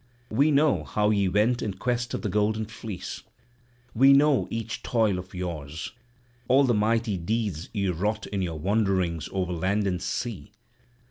We know how ye went in quest of the golden fleece; we know each toil of yours, all the mighty deeds ye wrought in your wanderings over land and sea.